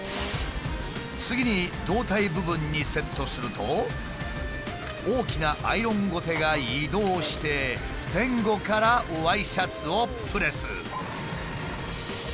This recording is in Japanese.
次に胴体部分にセットすると大きなアイロンごてが移動して前後からワイシャツをプレス。